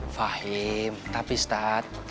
fahim tapi ustadz